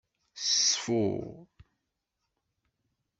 Ṣfu.